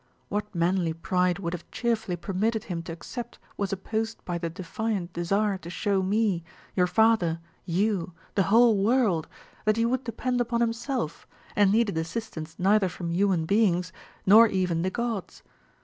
What manly pride would have cheerfully permitted him to accept was opposed by the defiant desire to show me, your father, you, the whole world, that he would depend upon himself, and needed assistance neither from human beings nor even the gods.